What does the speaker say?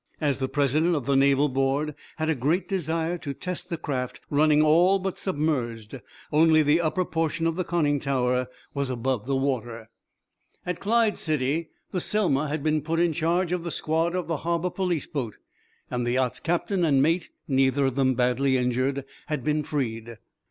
As the president of the Naval board had a great desire to test the craft running all but submerged, only the upper portion of the conning tower was above the water. At Clyde City the "Selma" had been put in charge of the squad of the harbor police boat, and the yacht's captain and mate, neither of them badly injured, had been freed.